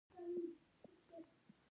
درناوی د خلکو د خوښۍ لامل ګرځي.